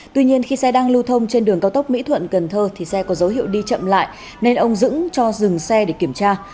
tuy nhiên khi xe đang lưu thông trên đường cao tốc mỹ thuận cần thơ thì xe có dấu hiệu đi chậm lại nên ông dững cho dừng xe để kiểm tra